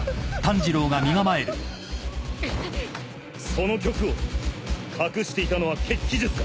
その巨躯を隠していたのは血鬼術か。